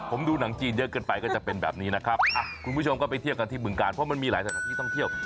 ผมดูหนังจีนเยอะเกินไปก็จะเป็นแบบนี้นะครับคุณผู้ชมก็ไปเที่ยวกันที่บึงการเพราะมันมีหลายสถานที่ท่องเที่ยว